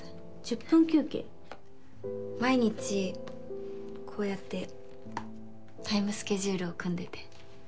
毎日こうやってタイムスケジュールを組んでて。